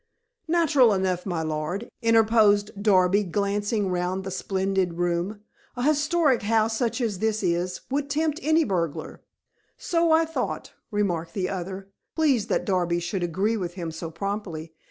"Natural enough, my lord," interposed Darby, glancing round the splendid room. "A historic house such as this is, would tempt any burglar." "So I thought," remarked the other, pleased that Darby should agree with him so promptly.